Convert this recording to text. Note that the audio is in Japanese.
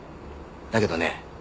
だけどね